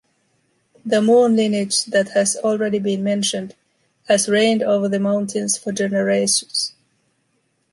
The Moon lineage, that has already been mentioned, has reigned over the mountains for generations.